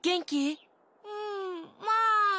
うんまあ。